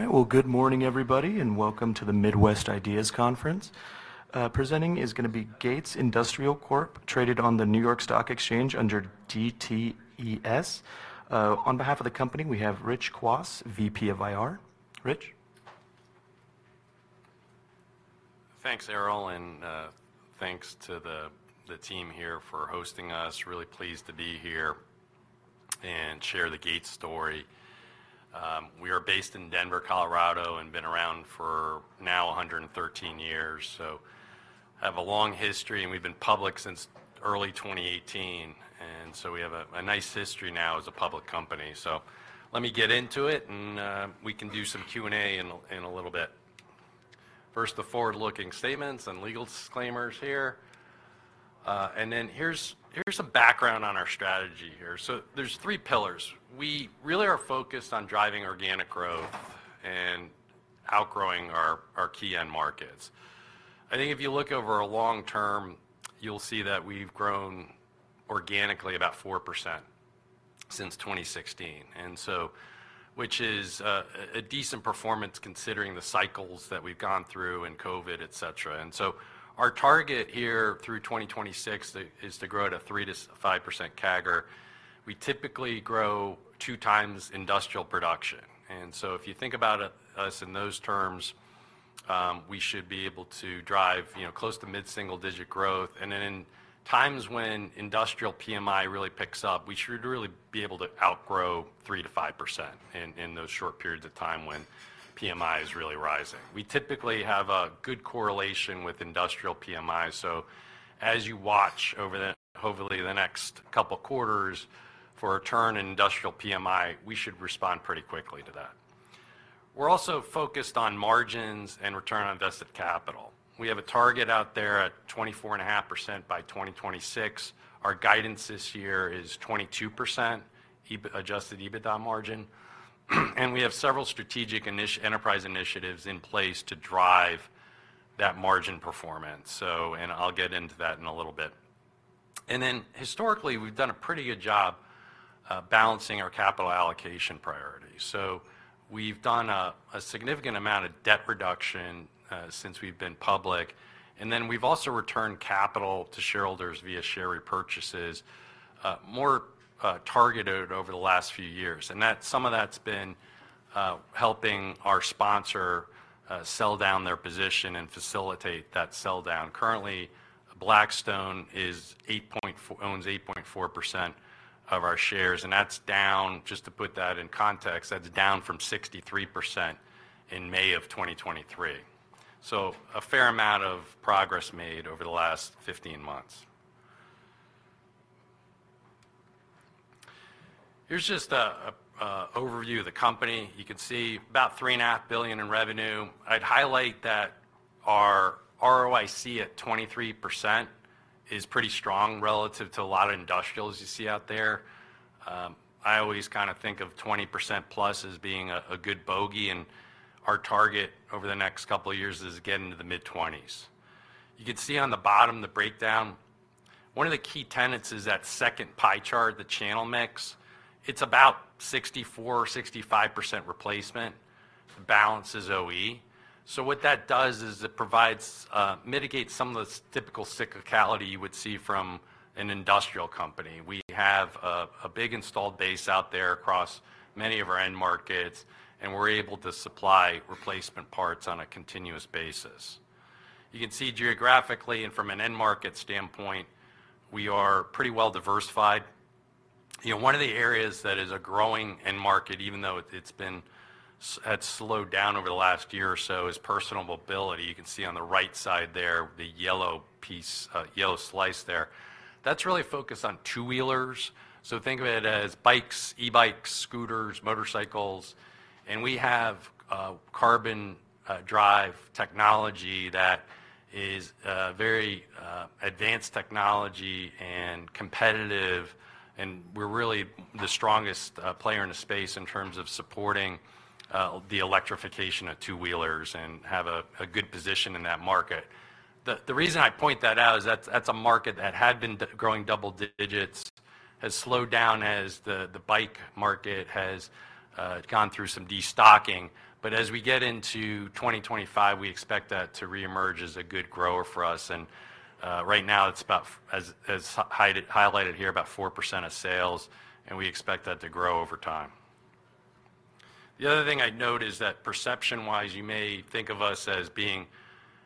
All right, well, good morning, everybody, and welcome to the Midwest IDEAS Conference. Presenting is gonna be Gates Industrial Corp, traded on the New York Stock Exchange under GTES. On behalf of the company, we have Rich Kwas, VP of IR. Rich? Thanks, Errol, and thanks to the team here for hosting us. Really pleased to be here and share the Gates story. We are based in Denver, Colorado, and been around for now one hundred and thirteen years, so have a long history, and we've been public since early 2018, and so we have a nice history now as a public company. Let me get into it, and we can do some Q&A in a little bit. First, the forward-looking statements and legal disclaimers here. And then here's some background on our strategy here. So there's three pillars. We really are focused on driving organic growth and outgrowing our key end markets. I think if you look over a long term, you'll see that we've grown organically about 4% since 2016, and so. Which is a decent performance considering the cycles that we've gone through and COVID, et cetera. And so our target here through 2026 is to grow at a 3-5% CAGR. We typically grow two times industrial production, and so if you think about us in those terms, we should be able to drive, you know, close to mid-single-digit growth. And then in times when industrial PMI really picks up, we should really be able to outgrow 3-5% in those short periods of time when PMI is really rising. We typically have a good correlation with industrial PMI. So as you watch over the, hopefully, the next couple quarters for a turn in industrial PMI, we should respond pretty quickly to that. We're also focused on margins and return on invested capital. We have a target out there at 24.5% by 2026. Our guidance this year is 22% Adjusted EBITDA margin, and we have several strategic enterprise initiatives in place to drive that margin performance. And I'll get into that in a little bit. Then historically, we've done a pretty good job balancing our capital allocation priorities. We've done a significant amount of debt reduction since we've been public, and then we've also returned capital to shareholders via share repurchases, more targeted over the last few years. Some of that's been helping our sponsor sell down their position and facilitate that sell down. Currently, Blackstone owns 8.4% of our shares, and that's down, just to put that in context, that's down from 63% in May of 2023. So a fair amount of progress made over the last 15 months. Here's just a overview of the company. You can see about $3.5 billion in revenue. I'd highlight that our ROIC at 23% is pretty strong relative to a lot of industrials you see out there. I always kind of think of 20% plus as being a good bogey, and our target over the next couple of years is to get into the mid-20s. You can see on the bottom, the breakdown. One of the key tenets is that second pie chart, the channel mix. It's about 64-65% replacement. The balance is OE. So what that does is it provides, mitigates some of the typical cyclicality you would see from an industrial company. We have a big installed base out there across many of our end markets, and we're able to supply replacement parts on a continuous basis. You can see geographically and from an end market standpoint, we are pretty well diversified. You know, one of the areas that is a growing end market, even though it's been had slowed down over the last year or so, is personal mobility. You can see on the right side there, the yellow piece, yellow slice there. That's really focused on two-wheelers. So think of it as bikes, e-bikes, scooters, motorcycles, and we have Carbon Drive technology that is very advanced technology and competitive, and we're really the strongest player in the space in terms of supporting the electrification of two-wheelers and have a good position in that market. The reason I point that out is that's a market that had been growing double digits, has slowed down as the bike market has gone through some destocking. But as we get into twenty twenty-five, we expect that to reemerge as a good grower for us. And right now, it's about, as highlighted here, about 4% of sales, and we expect that to grow over time. The other thing I'd note is that perception-wise, you may think of us as being,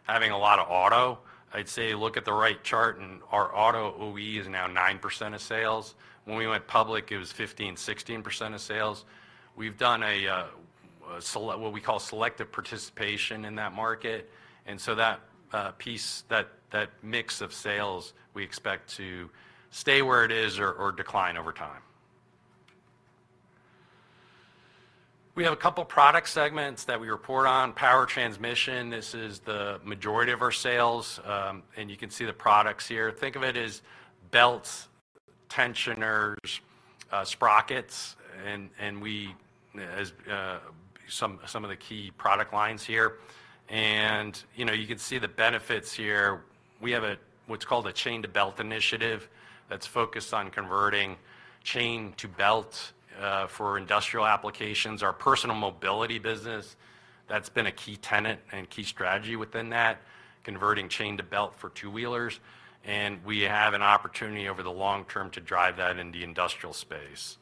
having a lot of auto. I'd say look at the right chart, and our auto OE is now 9% of sales. When we went public, it was 15-16% of sales. We've done a selective participation in that market, and so that piece, that mix of sales, we expect to stay where it is or decline over time. We have a couple product segments that we report on. Power Transmission, this is the majority of our sales, and you can see the products here. Think of it as belts, tensioners, sprockets, and we have some of the key product lines here. You know, you can see the benefits here. We have what's called a chain-to-belt initiative, that's focused on converting chain to belt for industrial applications. Our personal mobility business, that's been a key tenet and key strategy within that, converting chain to belt for two-wheelers, and we have an opportunity over the long term to drive that in the industrial space,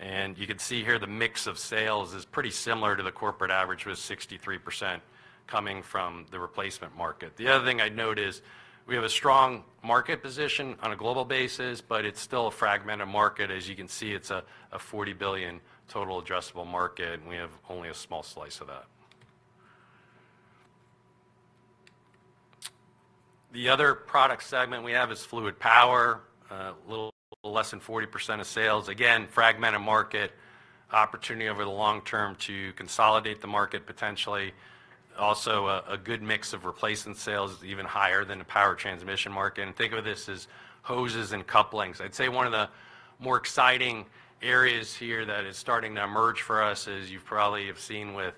and you can see here, the mix of sales is pretty similar to the corporate average, with 63% coming from the replacement market. The other thing I'd note is, we have a strong market position on a global basis, but it's still a fragmented market. As you can see, it's a $40 billion total addressable market, and we have only a small slice of that. The other product segment we have is Fluid Power, little less than 40% of sales. Again, fragmented market, opportunity over the long term to consolidate the market potentially. Also, a good mix of replacement sales, even higher than the Power Transmission market, and think of this as hoses and couplings. I'd say one of the more exciting areas here that is starting to emerge for us is, you probably have seen with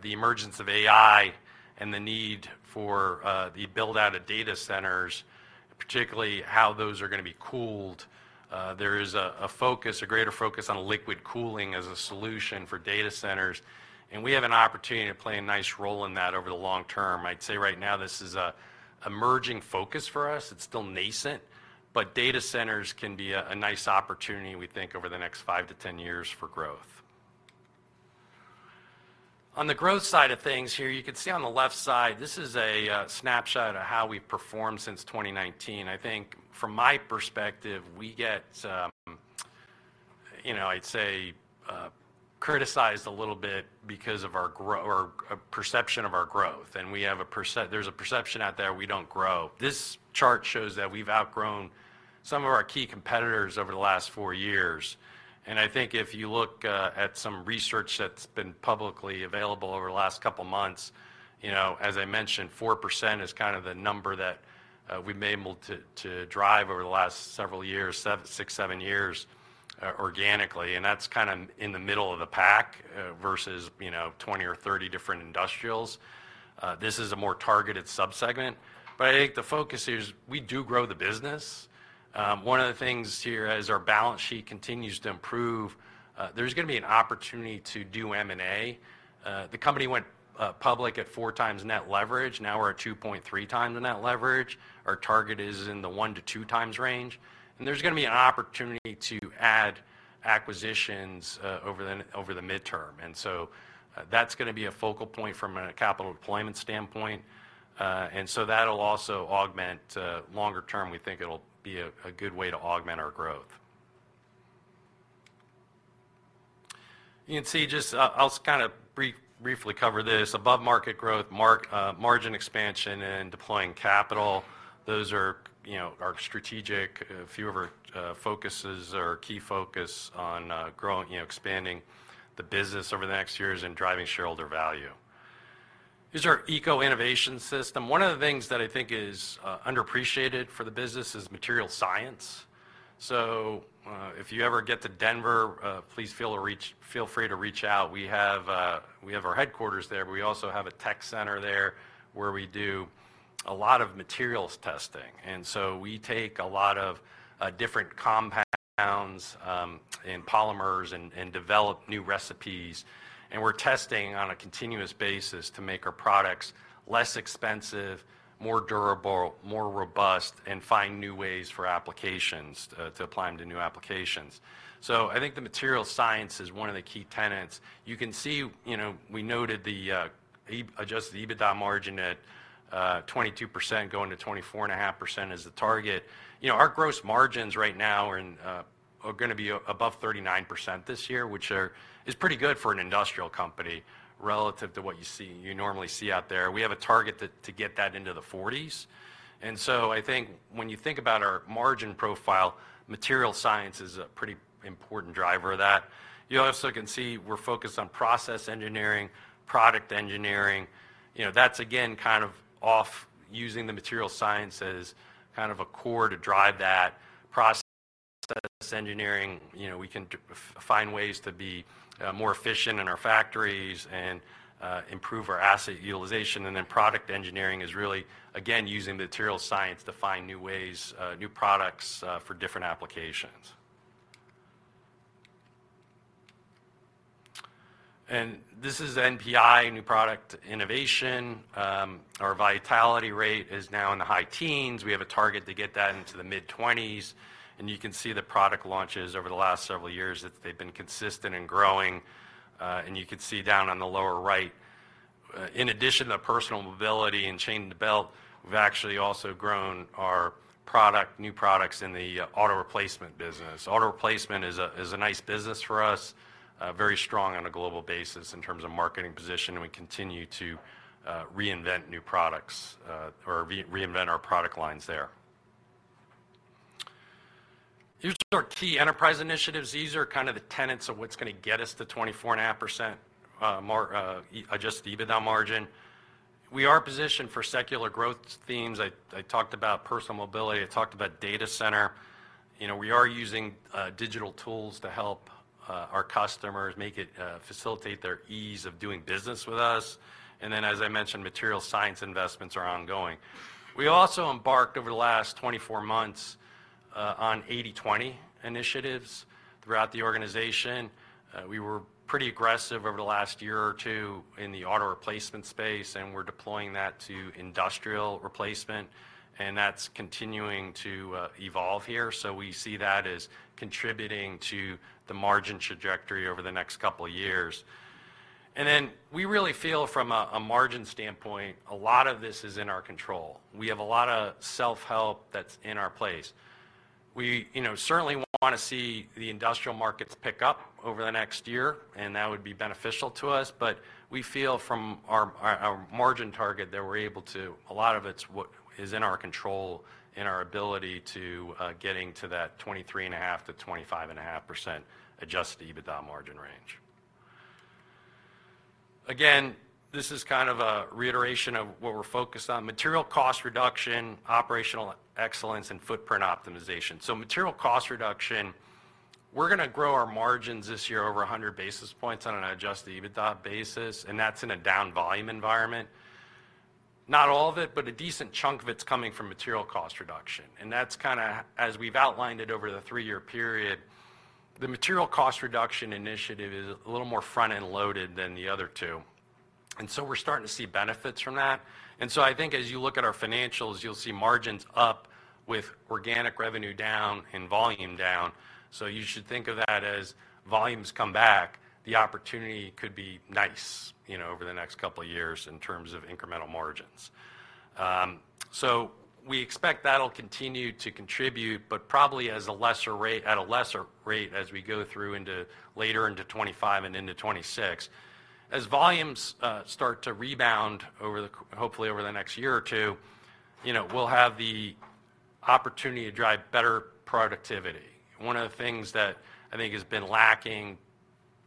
the emergence of AI and the need for the build-out of data centers, particularly how those are gonna be cooled. There is a greater focus on liquid cooling as a solution for data centers, and we have an opportunity to play a nice role in that over the long term. I'd say right now this is an emerging focus for us. It's still nascent, but data centers can be a nice opportunity, we think, over the next five to ten years for growth. On the growth side of things here, you can see on the left side. This is a snapshot of how we've performed since twenty nineteen. I think from my perspective, we get, you know, I'd say criticized a little bit because of our growth or perception of our growth, and there's a perception out there we don't grow. This chart shows that we've outgrown some of our key competitors over the last four years, and I think if you look at some research that's been publicly available over the last couple months, you know, as I mentioned, 4% is kind of the number that we've been able to drive over the last several years, six or seven years, organically, and that's kind of in the middle of the pack versus, you know, 20 or 30 different industrials. This is a more targeted subsegment, but I think the focus is, we do grow the business. One of the things here, as our balance sheet continues to improve, there's gonna be an opportunity to do M&A. The company went public at four times net leverage, now we're at two point three times the net leverage. Our target is in the one to two times range, and there's gonna be an opportunity to add acquisitions over the midterm. And so, that's gonna be a focal point from a capital deployment standpoint, and so that'll also augment longer term, we think it'll be a good way to augment our growth. You can see just, I'll kind of briefly cover this: above-market growth, margin expansion, and deploying capital. Those are, you know, our strategic, a few of our, focuses, our key focus on, growing, you know, expanding the business over the next years and driving shareholder value. This is our Eco-Innovation system. One of the things that I think is, underappreciated for the business is material science. So, if you ever get to Denver, please feel free to reach out. We have our headquarters there, but we also have a tech center there, where we do a lot of materials testing. And so we take a lot of different compounds, and polymers and develop new recipes. And we're testing on a continuous basis to make our products less expensive, more durable, more robust, and find new ways for applications, to apply them to new applications. I think the material science is one of the key tenets. You can see, you know, we noted the adjusted EBITDA margin at 22%, going to 24.5% as the target. You know, our gross margins right now are gonna be above 39% this year, which is pretty good for an industrial company relative to what you see, you normally see out there. We have a target to get that into the 40s%, and so I think when you think about our margin profile, material science is a pretty important driver of that. You also can see we're focused on process engineering, product engineering. You know, that's again, kind of using the material science as kind of a core to drive that process engineering. You know, we can find ways to be more efficient in our factories and improve our asset utilization. And then product engineering is really, again, using material science to find new ways, new products for different applications. And this is NPI, New Product Innovation. Our vitality rate is now in the high teens. We have a target to get that into the mid-twenties, and you can see the product launches over the last several years, that they've been consistent and growing. And you can see down on the lower right in addition to personal mobility and chain and belt, we've actually also grown our product, new products in the auto replacement business. Auto replacement is a nice business for us, very strong on a global basis in terms of market position, and we continue to reinvent new products or reinvent our product lines there. Here's our key enterprise initiatives. These are kind of the tenets of what's gonna get us to 24.5% adjusted EBITDA margin. We are positioned for secular growth themes. I talked about personal mobility. I talked about data center. You know, we are using digital tools to help our customers make it facilitate their ease of doing business with us. And then, as I mentioned, material science investments are ongoing. We also embarked over the last 24 months on 80/20 initiatives throughout the organization. We were pretty aggressive over the last year or two in the auto replacement space, and we're deploying that to industrial replacement, and that's continuing to evolve here. So we see that as contributing to the margin trajectory over the next couple of years. And then we really feel from a margin standpoint, a lot of this is in our control. We have a lot of self-help that's in place. You know, certainly wanna see the industrial markets pick up over the next year, and that would be beneficial to us, but we feel from our margin target, that we're able to... a lot of it's what is in our control and our ability to getting to that 23.5%-25.5% Adjusted EBITDA margin range. Again, this is kind of a reiteration of what we're focused on: material cost reduction, operational excellence, and footprint optimization. So material cost reduction, we're gonna grow our margins this year over a hundred basis points on an adjusted EBITDA basis, and that's in a down volume environment. Not all of it, but a decent chunk of it's coming from material cost reduction, and that's kinda, as we've outlined it over the three-year period, the material cost reduction initiative is a little more front-end loaded than the other two, and so we're starting to see benefits from that. And so I think as you look at our financials, you'll see margins up with organic revenue down and volume down. So you should think of that as volumes come back, the opportunity could be nice, you know, over the next couple of years in terms of incremental margins. So we expect that'll continue to contribute, but probably at a lesser rate as we go through into later into 2025 and into 2026. As volumes start to rebound hopefully over the next year or two, you know, we'll have the opportunity to drive better productivity. One of the things that I think has been lacking,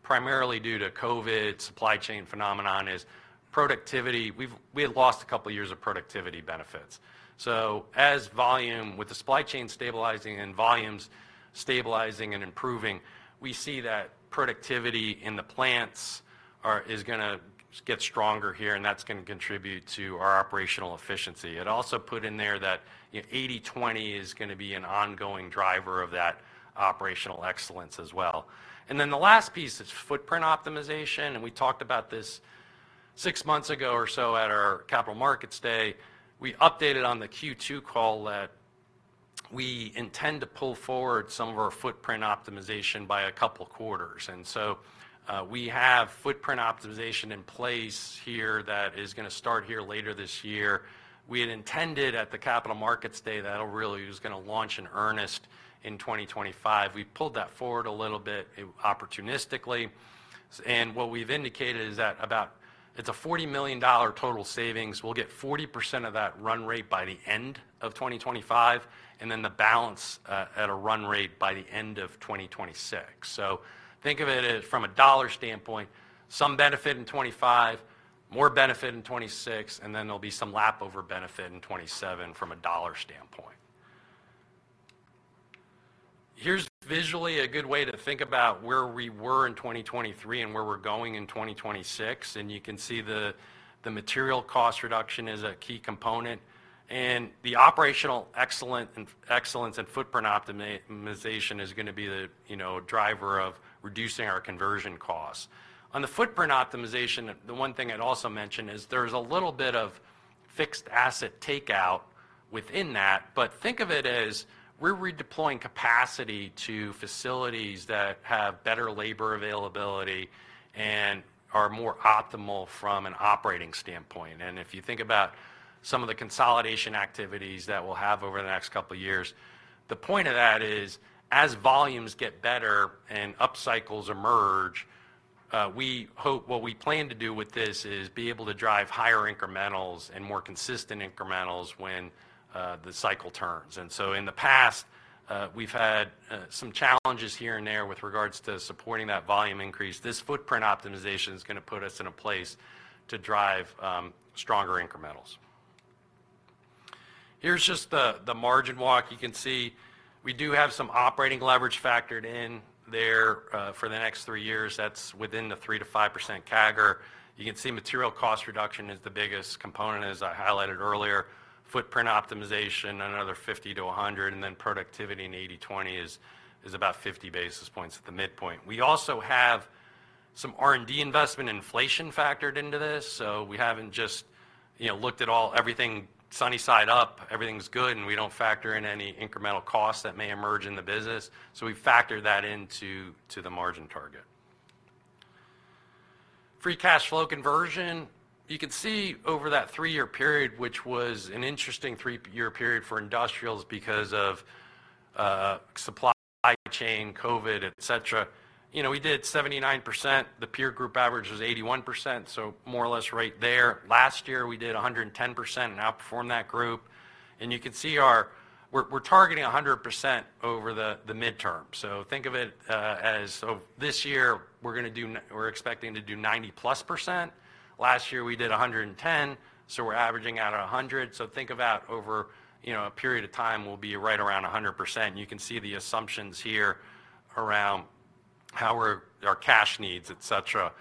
primarily due to COVID supply chain phenomenon, is productivity. We've had lost a couple of years of productivity benefits. So as volumes with the supply chain stabilizing and volumes stabilizing and improving, we see that productivity in the plants is gonna get stronger here, and that's gonna contribute to our operational efficiency. It also put in there that, you know, 80/20 is gonna be an ongoing driver of that operational excellence as well. And then the last piece is footprint optimization, and we talked about this six months ago or so at our Capital Markets Day. We updated on the Q2 call that we intend to pull forward some of our footprint optimization by a couple quarters. And so, we have footprint optimization in place here that is gonna start here later this year. We had intended at the Capital Markets Day that it really was gonna launch in earnest in 2025. We pulled that forward a little bit opportunistically, and what we've indicated is that about... it's a $40 million total savings. We'll get 40% of that run rate by the end of 2025, and then the balance at a run rate by the end of 2026. So think of it as from a dollar standpoint, some benefit in 2025, more benefit in 2026, and then there'll be some lap over benefit in 2027 from a dollar standpoint. Here's visually a good way to think about where we were in 2023 and where we're going in 2026, and you can see the material cost reduction is a key component, and the operational excellence and footprint optimization is gonna be the, you know, driver of reducing our conversion costs. On the footprint optimization, the one thing I'd also mention is there's a little bit of fixed asset takeout within that, but think of it as we're redeploying capacity to facilities that have better labor availability and are more optimal from an operating standpoint. If you think about some of the consolidation activities that we'll have over the next couple of years, the point of that is, as volumes get better and up cycles emerge, what we plan to do with this is be able to drive higher incrementals and more consistent incrementals when the cycle turns. So in the past, we've had some challenges here and there with regards to supporting that volume increase. This footprint optimization is gonna put us in a place to drive stronger incrementals. Here's just the margin walk. You can see we do have some operating leverage factored in there for the next three years. That's within the 3%-5% CAGR. You can see material cost reduction is the biggest component, as I highlighted earlier, footprint optimization, another 50 to 100, and then productivity in 80/20 is about 50 basis points at the midpoint. We also have some R&D investment inflation factored into this, so we haven't just you know, looked at all, everything sunny side up, everything's good, and we don't factor in any incremental costs that may emerge in the business. So we factor that into the margin target. Free cash flow conversion, you can see over that three-year period, which was an interesting three-year period for industrials because of supply chain, COVID, et cetera. You know, we did 79%. The peer group average was 81%, so more or less right there. Last year, we did 110% and outperformed that group. You can see we're targeting 100% over the midterm. Think of it as, this year we're expecting to do 90+%. Last year, we did 110, so we're averaging out 100. Think about over, you know, a period of time, we'll be right around 100%. You can see the assumptions here around how we're our cash needs, et cetera.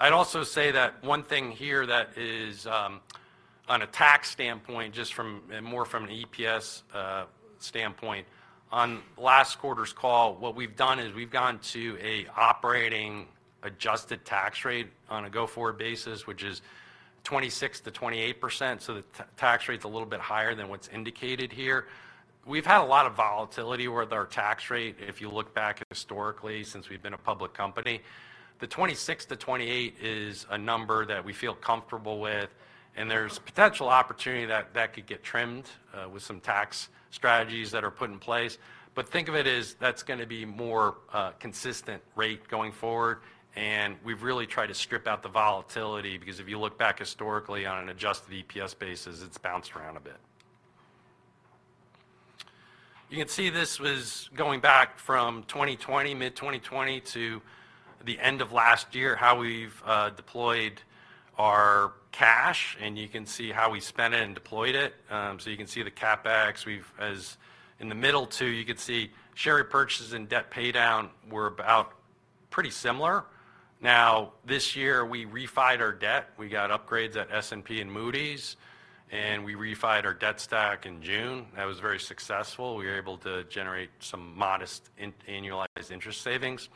I'd also say that one thing here that is on a tax standpoint, just from and more from an EPS standpoint, on last quarter's call, what we've done is we've gone to a operating adjusted tax rate on a go-forward basis, which is 26%-28%. The tax rate's a little bit higher than what's indicated here. We've had a lot of volatility with our tax rate, if you look back historically, since we've been a public company. The 26%-28% is a number that we feel comfortable with, and there's potential opportunity that could get trimmed with some tax strategies that are put in place. But think of it as that's gonna be more consistent rate going forward, and we've really tried to strip out the volatility, because if you look back historically on an adjusted EPS basis, it's bounced around a bit. You can see this was going back from 2020, mid-2020, to the end of last year, how we've deployed our cash, and you can see how we spent it and deployed it. So you can see the CapEx. As in the middle two, you could see share repurchases and debt paydown were about pretty similar. Now, this year, we refinanced our debt. We got upgrades at S&P and Moody's, and we refinanced our debt stack in June. That was very successful. We were able to generate some modest annualized interest savings.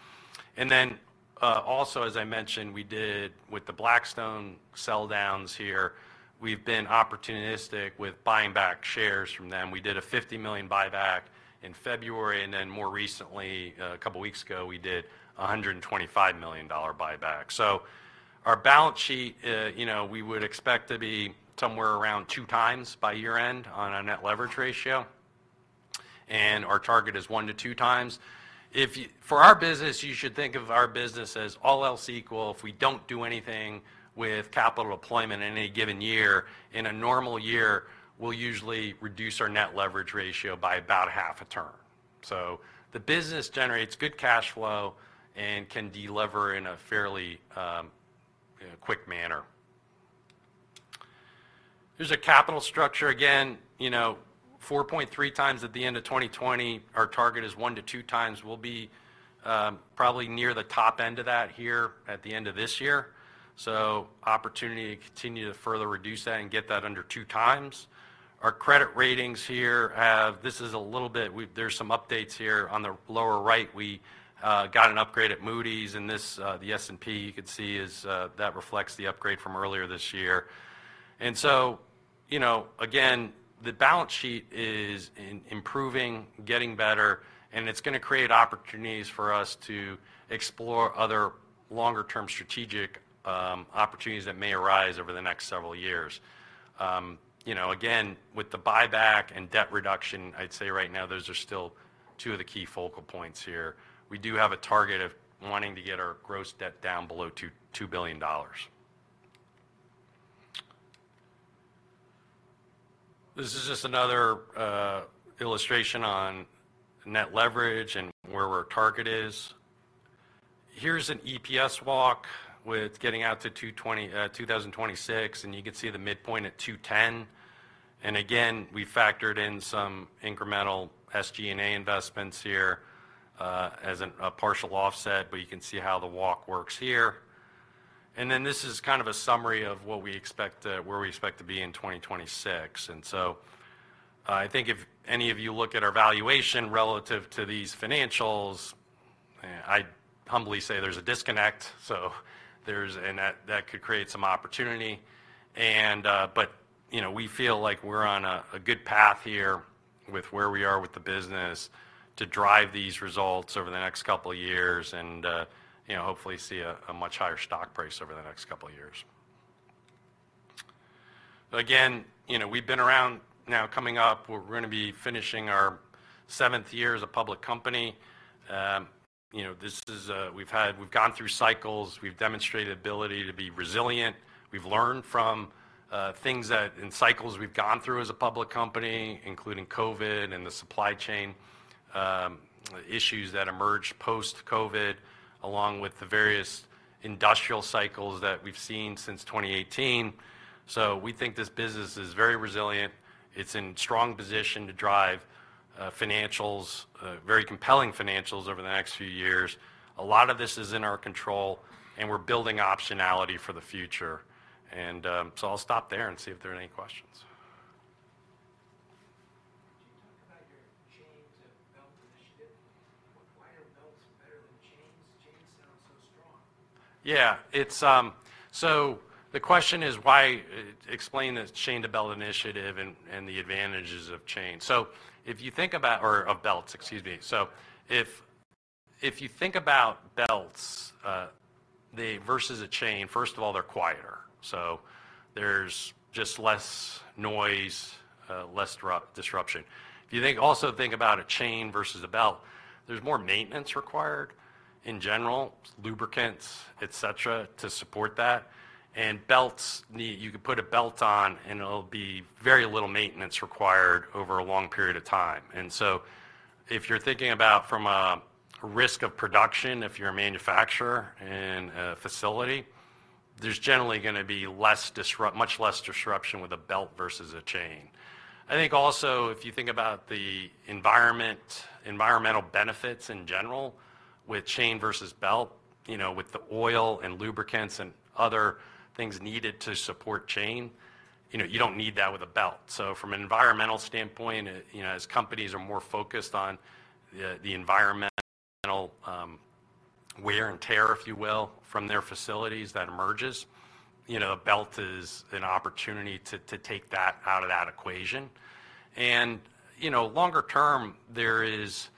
And then, also, as I mentioned, we did with the Blackstone sell downs here, we've been opportunistic with buying back shares from them. We did a $50 million buyback in February, and then more recently, a couple of weeks ago, we did a $125 million buyback. So our balance sheet, you know, we would expect to be somewhere around two times by year-end on our net leverage ratio, and our target is one to two times. For our business, you should think of our business as all else equal. If we don't do anything with capital deployment in any given year, in a normal year, we'll usually reduce our net leverage ratio by about half a turn. So the business generates good cash flow and can deliver in a fairly quick manner. Here's a capital structure. Again, you know, 4.3 times at the end of 2020. Our target is one to two times. We'll be probably near the top end of that here at the end of this year. So opportunity to continue to further reduce that and get that under two times. Our credit ratings here have. This is a little bit. There's some updates here on the lower right. We got an upgrade at Moody's, and this, the S&P, you could see, is that reflects the upgrade from earlier this year. And so, you know, again, the balance sheet is improving, getting better, and it's gonna create opportunities for us to explore other longer-term strategic opportunities that may arise over the next several years. You know, again, with the buyback and debt reduction, I'd say right now, those are still two of the key focal points here. We do have a target of wanting to get our gross debt down below $2.2 billion. This is just another illustration on net leverage and where our target is. Here's an EPS walk with getting out to $2.20 2026, and you can see the midpoint at $2.10. And again, we factored in some incremental SG&A investments here as a partial offset, but you can see how the walk works here. And then this is kind of a summary of what we expect, where we expect to be in 2026. And so, I think if any of you look at our valuation relative to these financials, I'd humbly say there's a disconnect, so and that could create some opportunity. And, but, you know, we feel like we're on a good path here with where we are with the business to drive these results over the next couple of years and, you know, hopefully see a much higher stock price over the next couple of years. Again, you know, we've been around. Now, coming up, we're gonna be finishing our seventh year as a public company. You know, this is, we've gone through cycles, we've demonstrated ability to be resilient, we've learned from things that in cycles we've gone through as a public company, including COVID and the supply chain issues that emerged post-COVID, along with the various industrial cycles that we've seen since 2018. So we think this business is very resilient. It's in strong position to drive financials, very compelling financials over the next few years. A lot of this is in our control, and we're building optionality for the future. And so I'll stop there and see if there are any questions. Yeah, it's so the question is, why explain the chain to belt initiative and the advantages of chain? So if you think about or of belts, excuse me. So if you think about belts versus a chain, first of all, they're quieter, so there's just less noise, less disruption. If you think about a chain versus a belt, there's more maintenance required in general, lubricants, et cetera, to support that. And belts need. You can put a belt on, and it'll be very little maintenance required over a long period of time. And so if you're thinking about from a risk of production, if you're a manufacturer in a facility, there's generally gonna be much less disruption with a belt versus a chain. I think also, if you think about the environment, environmental benefits in general with chain versus belt, you know, with the oil and lubricants and other things needed to support chain, you know, you don't need that with a belt. So from an environmental standpoint, you know, as companies are more focused on the environmental wear and tear, if you will, from their facilities, that emerges. You know, a belt is an opportunity to take that out of that equation. And, you know, longer term, there is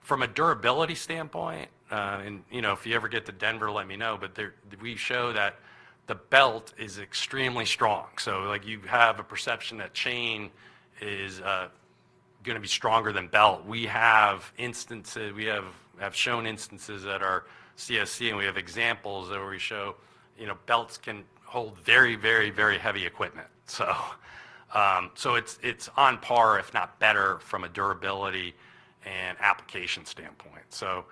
from a durability standpoint, and, you know, if you ever get to Denver, let me know, but there, we show that the belt is extremely strong. So, like, you have a perception that chain is gonna be stronger than belt. We have instances. We have shown instances at our CSC, and we have examples where we show, you know, belts can hold very, very, very heavy equipment. So, it's on par, if not better, from a durability and application standpoint. So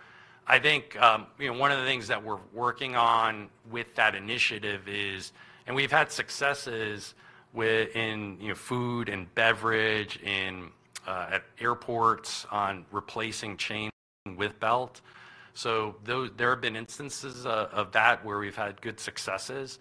I think, you know, one of the things that we're working on with that initiative is, and we've had successes with, in, you know, food and beverage, in, at airports on replacing chain with belt. So those, there have been instances, of that where we've had good successes.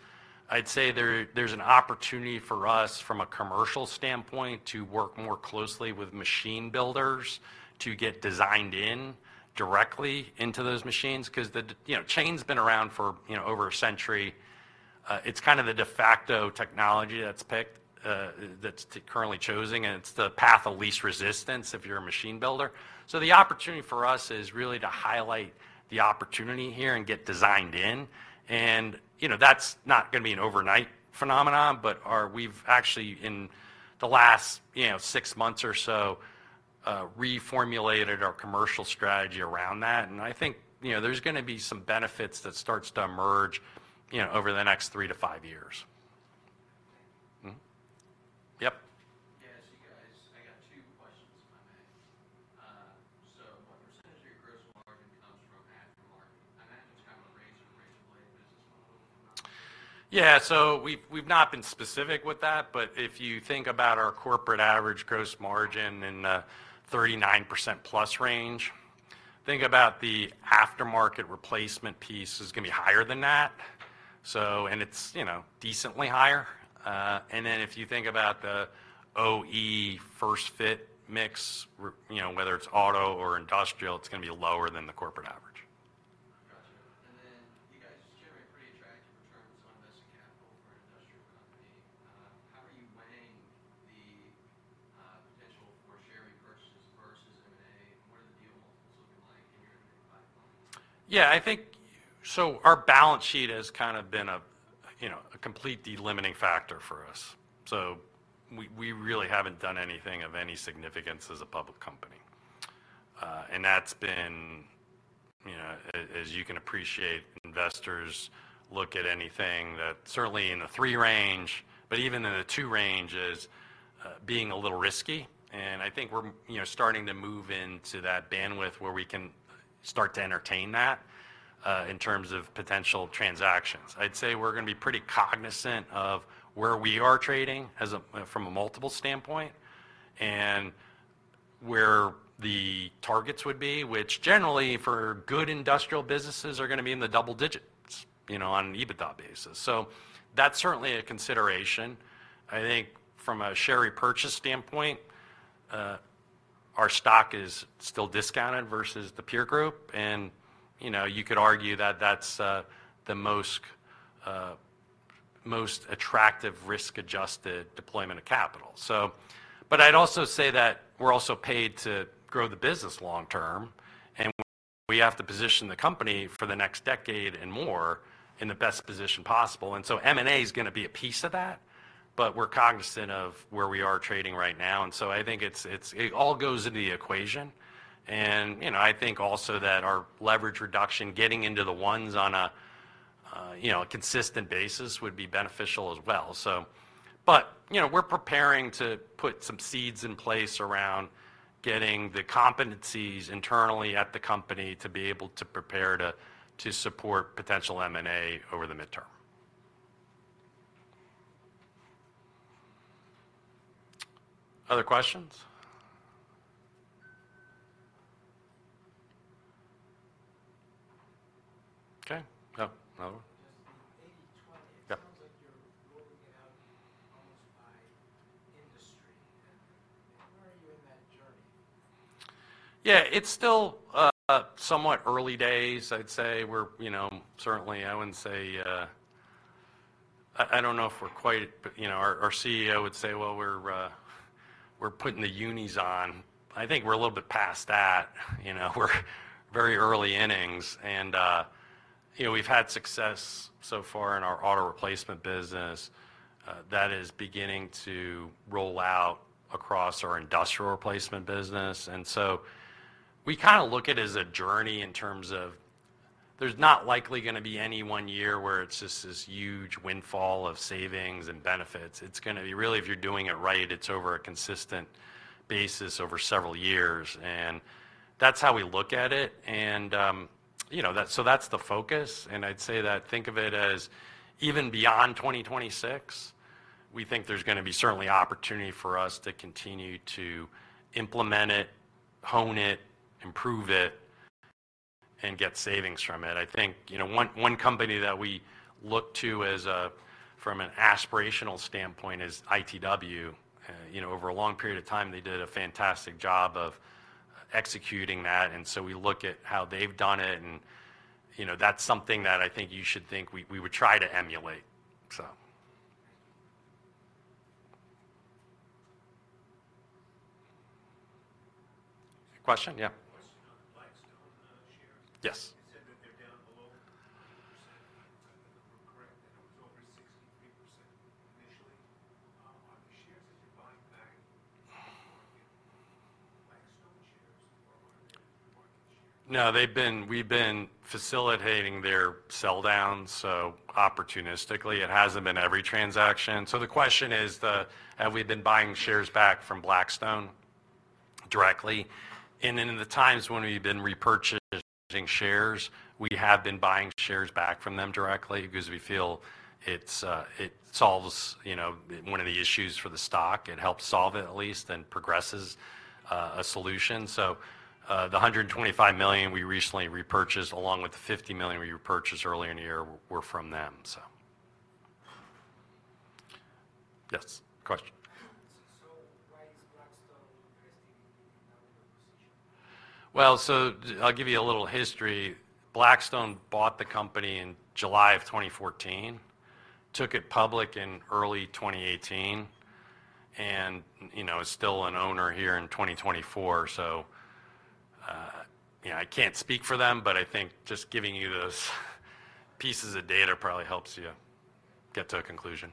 I'd say there, there's an opportunity for us from a commercial standpoint, to work more closely with machine builders to get designed in directly into those machines, 'cause you know, chain's been around for, you know, over a century. It's kind of the de facto technology that's picked, that's currently chosen, and it's the path of least resistance if you're a machine builder. So the opportunity for us is really to highlight the opportunity here and get designed in, and, you know, that's not gonna be an overnight phenomenon, but we've actually in the last, you know, six months or so, reformulated our commercial strategy around that, and I think, you know, there's gonna be some benefits that starts to emerge, you know, over the next three to five years. Mm-hmm. Yep? Yeah, so you guys, I got two questions, if I may. So what percentage of your gross margin comes from aftermarket? I imagine it's kind of a razor-razor blade business model. Yeah, so we've not been specific with that, but if you think about our corporate average gross margin in the 39% plus range, think about the aftermarket replacement piece is gonna be higher than that. So. And it's, you know, decently higher. And then if you think about the OE first-fit mix, you know, whether it's auto or industrial, it's gonna be lower than the corporate average. Gotcha. And then you guys generate pretty attractive returns on invested capital for an industrial company. How are you weighing the potential for share repurchases versus M&A, and what are the deal multiples looking like in your pipeline? Yeah, I think. So our balance sheet has kind of been a, you know, a complete limiting factor for us, so we, we really haven't done anything of any significance as a public company. And that's been, you know, as you can appreciate, investors look at anything that certainly in the three range, but even in the two range, as being a little risky. And I think we're, you know, starting to move into that bandwidth where we can start to entertain that in terms of potential transactions. I'd say we're gonna be pretty cognizant of where we are trading as a, from a multiple standpoint, and where the targets would be, which generally for good industrial businesses, are gonna be in the double digits, you know, on an EBITDA basis. So that's certainly a consideration. I think from a share repurchase standpoint, our stock is still discounted versus the peer group, and, you know, you could argue that that's the most attractive risk-adjusted deployment of capital. So, but I'd also say that we're also paid to grow the business long term, and we have to position the company for the next decade and more in the best position possible, and so M&A is gonna be a piece of that, but we're cognizant of where we are trading right now, and so I think it all goes into the equation, and, you know, I think also that our leverage reduction, getting into the ones on a, you know, a consistent basis would be beneficial as well. But, you know, we're preparing to put some seeds in place around getting the competencies internally at the company to be able to prepare to support potential M&A over the midterm. Other questions? Okay. No, another one? Yeah, it's still somewhat early days, I'd say. We're, you know, certainly I wouldn't say I don't know if we're quite, but, you know, our CEO would say, "Well, we're putting the uniforms on." I think we're a little bit past that. You know, we're very early innings and, you know, we've had success so far in our auto replacement business. That is beginning to roll out across our industrial replacement business. And so we kinda look at it as a journey in terms of there's not likely gonna be any one year where it's just this huge windfall of savings and benefits. It's gonna be, really, if you're doing it right, it's over a consistent basis over several years, and that's how we look at it. And, you know, that, so that's the focus, and I'd say that think of it as even beyond twenty twenty-six, we think there's gonna be certainly opportunity for us to continue to implement it, hone it, improve it, and get savings from it. I think, you know, one company that we look to as a, from an aspirational standpoint is ITW. You know, over a long period of time, they did a fantastic job of executing that, and so we look at how they've done it, and, you know, that's something that I think you should think we, we would try to emulate. So question? Yeah. Question on Blackstone shares? Yes. You said that they're down below 100%. I think the number correct, and it was over 63% initially, on the shares that you're buying back. Blackstone shares or market shares? No, they've been, we've been facilitating their sell down, so opportunistically, it hasn't been every transaction. So the question is the, have we been buying shares back from Blackstone directly? And then in the times when we've been repurchasing shares, we have been buying shares back from them directly because we feel it's, it solves, you know, one of the issues for the stock. It helps solve it at least, then progresses, a solution. So, the $125 million we recently repurchased, along with the $50 million we repurchased earlier in the year, were from them, so. Yes, question. So, why is Blackstone investing in another position? I'll give you a little history. Blackstone bought the company in July of twenty fourteen, took it public in early twenty eighteen, and, you know, is still an owner here in twenty twenty-four. You know, I can't speak for them, but I think just giving you those pieces of data probably helps you get to a conclusion.